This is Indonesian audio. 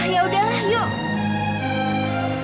yaudah lah yuk